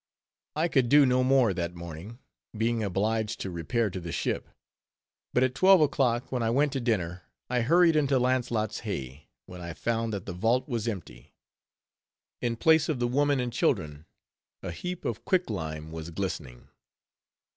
I could do no more that morning, being obliged to repair to the ship; but at twelve o'clock, when I went to dinner, I hurried into Launcelott's Hey, when I found that the vault was empty. In place of the women and children, a heap of quick lime was glistening.